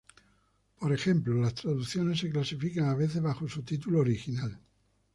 Por ejemplo, las traducciones se clasifican a veces bajo su título original.